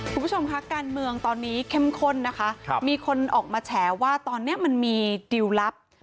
คุณผู้ชมคะการเมืองตอนนี้เข้มข้นนะคะมีคนออกมาแฉว่าตอนนี้มันมีดิวลลับ